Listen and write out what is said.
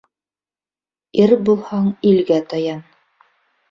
Ир булһаң, илгә таян.